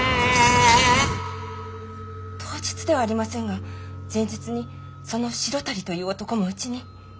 当日ではありませんが前日にその志呂足という男もうちに。